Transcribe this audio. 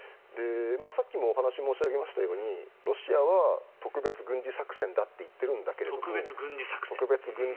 さっきもお話申し上げましたようにロシアは特別軍事作戦だって言っているんだけど。